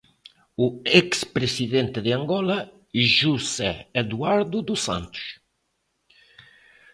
O ex presidente de Angola, José Eduardo dos Santos.